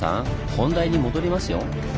本題に戻りますよ。